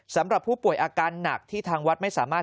สำหรับผู้ป่วยอาการหนักที่ทางวัดไม่สามารถ